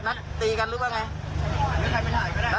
ไหนไปถ่ายก็ได้